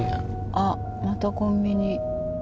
あっまたコンビニ。